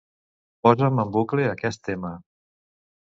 Posa'm en bucle aquest tema.